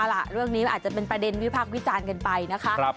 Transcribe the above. เอาล่ะเรื่องนี้มันอาจจะเป็นประเด็นวิพากษ์วิจารณ์กันไปนะคะ